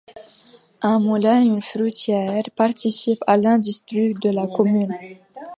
Un moulin et une fruitière participent à l'industrie de la commune.